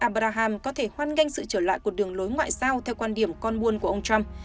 abrahham có thể hoan nghênh sự trở lại của đường lối ngoại giao theo quan điểm con buôn của ông trump